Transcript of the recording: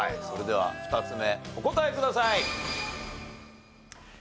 それでは２つ目お答えください。